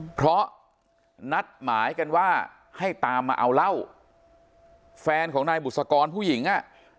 เพราะนัดหมายกันว่าให้ตามมาเอาเหล้าแฟนของนายบุษกรผู้หญิงอ่ะ